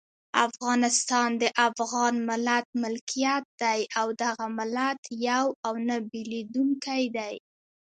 افغانستان د افغان ملت ملکیت دی او دغه ملت یو او نه بېلیدونکی دی.